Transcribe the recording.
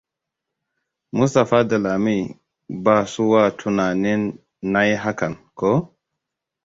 Mustapha da Lami basuwa tunanin nayi hakan, ko?